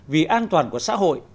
vì an toàn của xã hội